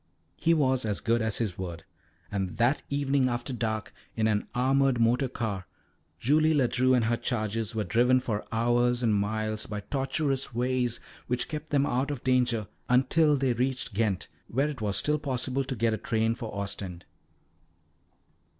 He was as good as his word, and that evening after dark, in an armoured motor car, Julie Ledru and her charges were driven for hours and miles by tortuous ways which kept them out of danger, until they reached Ghent, where it was still possible to get a train for Ostend.